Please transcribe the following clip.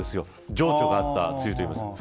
情緒があった梅雨というか。